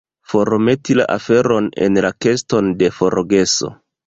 Formeti la aferon en la keston de forgeso.